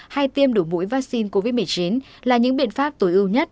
hay tiêm đổi mũi vaccine covid một mươi chín là những biện pháp tối ưu nhất